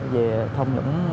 về thông nhũng